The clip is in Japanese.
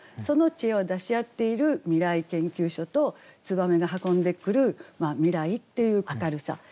その知恵を出し合っている未来研究所と燕が運んでくる未来っていう明るさ。